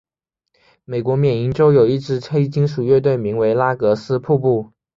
美国缅因洲有一支黑金属乐队名为拉洛斯瀑布。